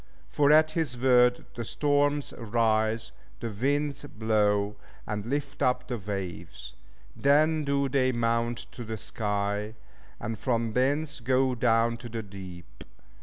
For at His word the storms rise, the winds blow, and lift up the waves; then do they mount to the sky, and from thence go down to the deep.